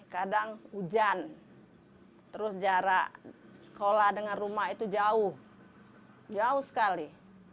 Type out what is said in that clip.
kadang hujan terus jarak sekolah dengan rumah itu jauh jauh sekali